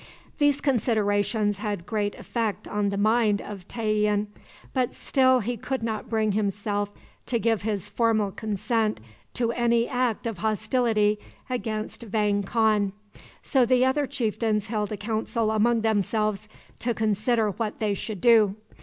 These considerations had great effect on the mind of Tayian, but still he could not bring himself to give his formal consent to any act of hostility against Vang Khan. So the other chieftains held a council among themselves to consider what they should do.